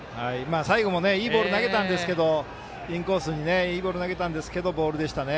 最後もいいボール投げたんですけどインコースにいいボール投げたんですがボールでしたね。